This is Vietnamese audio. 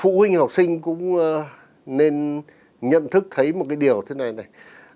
phụ huynh học sinh cũng nên nhận thức thấy một điều như thế này